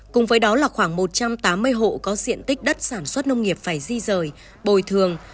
cùng với đó là khoảng một trăm tám mươi hộ có diện tích đất sản xuất nông nghiệp phải di rời bồi thường